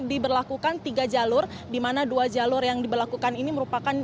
diberlakukan tiga jalur dimana dua jalur yang diberlakukan ini merupakan